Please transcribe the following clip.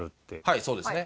はいそうですね。